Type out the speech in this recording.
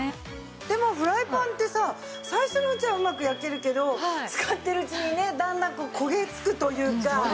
でもフライパンってさ最初のうちはうまく焼けるけど使ってるうちにねだんだん焦げつくというか。